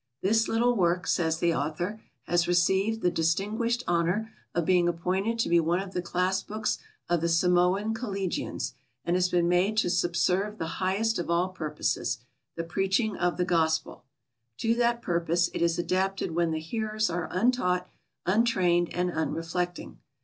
"This little work," says the author, "has received the distinguished honor of being appointed to be one of the class books of the Samoan Collegians, and has been made to subserve the highest of all purposes the preaching of the Gospel. To that purpose it is adapted when the hearers are untaught, untrained, and unreflecting.